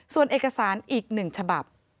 ส่วนเอกสารอีกหนึ่งฉบับ